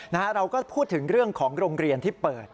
เราก็พูดถึงเรื่องของโรงเรียนที่เปิด